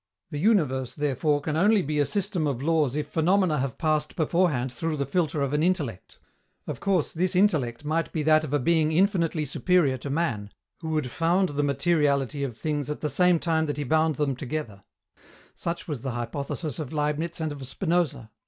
The universe, therefore, can only be a system of laws if phenomena have passed beforehand through the filter of an intellect. Of course, this intellect might be that of a being infinitely superior to man, who would found the materiality of things at the same time that he bound them together: such was the hypothesis of Leibniz and of Spinoza.